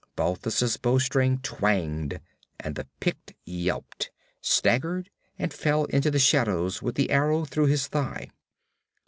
Balthus' bow string twanged and the Pict yelped, staggered and fell into the shadows with the arrow through his thigh.